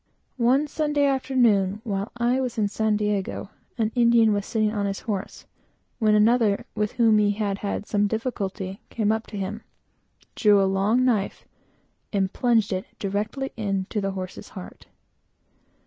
One Sunday afternoon, while I was at San Diego, an Indian was sitting on his horse, when another, with whom he had had some difficulty, came up to him, drew a long knife, and plunged it directly into the horse's heart.